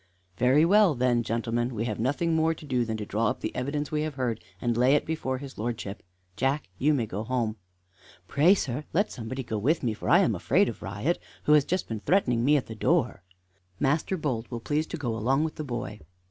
"Very well, then, gentlemen, we have nothing more to do than to draw up the evidence we have heard, and lay it before his lordship. Jack, you may go home." "Pray, sir, let somebody go with me, for I am afraid of Riot, who has just been threatening me at the door." "Master Bold will please to go along with the boy."